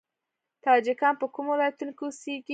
تاجکان په کومو ولایتونو کې اوسیږي؟